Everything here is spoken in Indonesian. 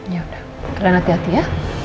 yaudah kalian hati hati ya